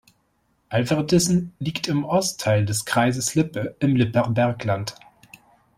Alverdissen liegt im Ostteil des Kreises Lippe im Lipper Bergland.